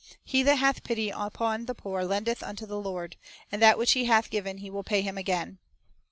"He that hath pity upon the poor lendeth unto the Lord; and that which he hath given will He pay him again."